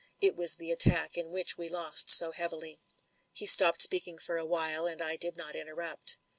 It was the attack in which we lost so heavily." He stopped speaking for a while, and I did not interrupt.